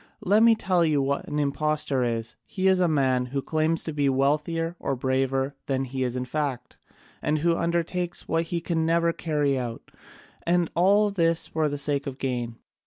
Let me tell you what an impostor is. He is a man who claims to be wealthier or braver than he is in fact, and who undertakes what he can never carry out, and all this for the sake of gain.